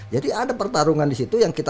jadi ada pertarungan di situ yang kita